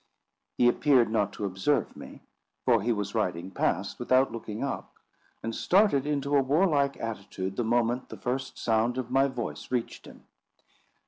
He appeared not to observe me, for he was riding past without looking up, and started into a warlike attitude the moment the first sound of my voice reached him.